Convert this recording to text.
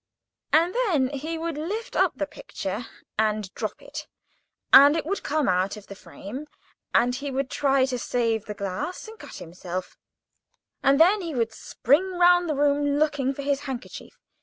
And then he would lift up the picture, and drop it, and it would come out of the frame, and he would try to save the glass, and cut himself; and then he would spring round the room, looking for his handkerchief.